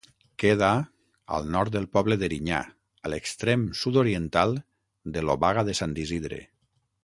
Queda al nord del poble d'Erinyà, a l'extrem sud-oriental de l'Obaga de Sant Isidre.